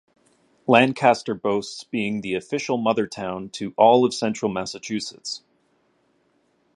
Lancaster boasts being the official "mothertown" to all of central Massachusetts.